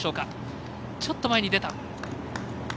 ちょっと前に出てた。